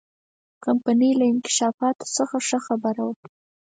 کمپنۍ له انکشافاتو څخه ښه خبره وه.